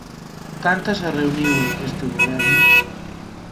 ¿Cantas a reuniu este goberno?